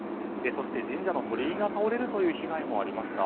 そして、神社の鳥居が倒れる被害がありました。